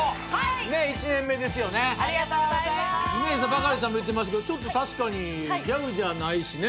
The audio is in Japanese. バカリさんも言ってましたけどちょっと確かにギャルじゃないしね。